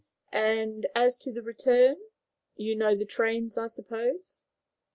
"And as to the return? You know the trains, I suppose?"